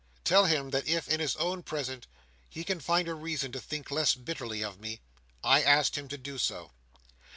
Tell him that if, in his own present, he can find a reason to think less bitterly of me, I asked him to do so.